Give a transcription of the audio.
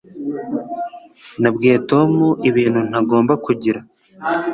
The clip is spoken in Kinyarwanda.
Nabwiye Tom ibintu ntagomba kugira